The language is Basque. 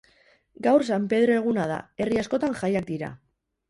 Gaur, San Pedro eguna da, herri askotan jaiak dira.